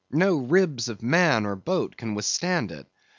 No ribs of man or boat can withstand it.